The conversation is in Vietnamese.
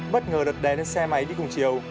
bất ngờ đật đèn lên xe máy đi cùng chiều